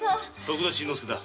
徳田新之助だ。